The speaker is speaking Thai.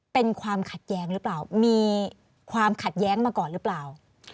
เป็นความขัดแย้งหรือเปล่ามีความขัดแย้งมาก่อนหรือเปล่า